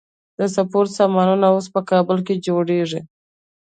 د سپورت سامانونه اوس په کابل کې جوړیږي.